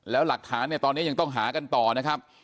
แล้วหลักฐานเนี่ยตอนนี้ยังต้องหากันต่อนะครับ